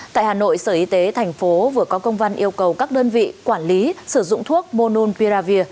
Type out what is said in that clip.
tại hà nội sở y tế thành phố vừa có công văn yêu cầu các đơn vị quản lý sử dụng thuốc bonun piravir